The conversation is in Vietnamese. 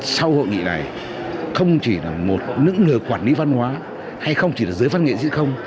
sau hội nghị này không chỉ là một nữ người quản lý văn hóa hay không chỉ là giới phát nghệ diễn không